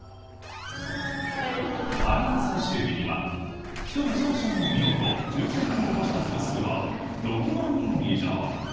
観覧最終日にはひと目シャンシャンを見ようと抽選に応募した総数は６万人以上。